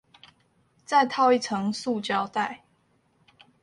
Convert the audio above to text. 再套一層塑膠袋